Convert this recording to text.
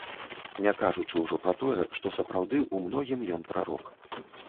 Не кажучы ўжо пра тое, што сапраўды ў многім ён прарок.